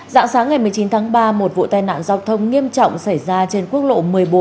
dạng sáng ngày một mươi chín tháng ba một vụ tai nạn giao thông nghiêm trọng xảy ra trên quốc lộ một mươi bốn